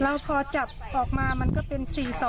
แล้วพอจับออกมามันก็เป็น๔๒